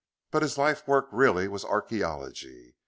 But his life work, really, was archaeology.